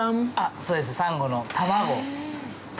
そうですサンゴの卵。